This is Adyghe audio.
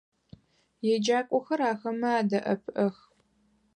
Еджакӏохэр ахэмэ адэӏэпыӏэх.